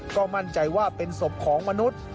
ก็มั่นใจว่าเป็นศพของมนุษย์